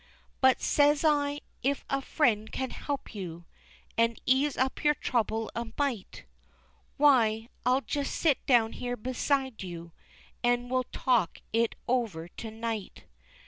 But, says I, if a friend can help you, And ease up your trouble a mite, Why, I'll just sit down here beside you, An' we'll talk it over to night.